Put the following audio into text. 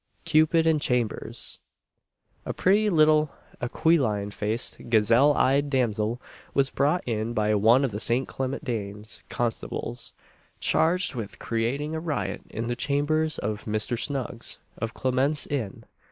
CUPID IN CHAMBERS. A pretty little aquiline faced, "gazelle eyed" damsel, was brought in by one of the St. Clement Danes' constables, charged with creating a riot in the chambers of Mr. Snuggs, of Clement's Inn.